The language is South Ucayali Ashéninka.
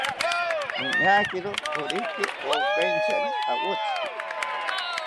Noñakiri koriki okeinchari awotzi